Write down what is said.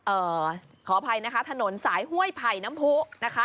เอ่อขออภัยนะคะถนนสายห้วยไผ่น้ำผู้นะคะ